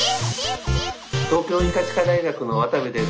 東京医科歯科大学の渡部です。